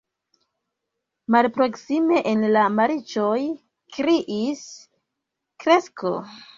Malproksime en la marĉoj kriis krekso.